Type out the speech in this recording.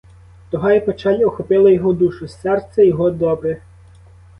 Туга й печаль охопили його душу, серце його добре.